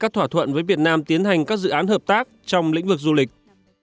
các thỏa thuận với việt nam tiến hành các dự án hợp tác trong lĩnh vực du lịch